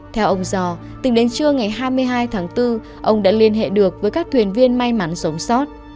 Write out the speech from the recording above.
theo ông do tính đến trưa ngày hai mươi hai tháng bốn ông đã liên hệ được với các thuyền viên may mắn sống sót